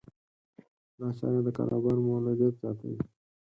دا چاره د کاروبار مولدیت زیاتوي.